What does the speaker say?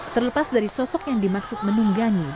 terlepas dari sosok yang dimaksud menunggangi